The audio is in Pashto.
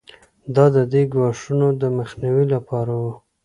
دا د دې ګواښونو د مخنیوي لپاره وو.